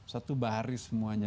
satu baris semuanya